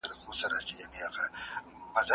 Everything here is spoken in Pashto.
که زده کوونکي په ډله ییزه توګه املا ولیکي.